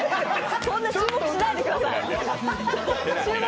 そんな注目しないでください。